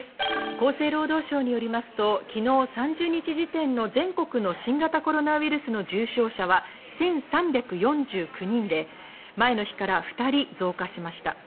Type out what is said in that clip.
厚生労働省によりますと、昨日３０日時点の全国の新型コロナウイルスの重症者は１３４９人で、前の日から２人増加しました。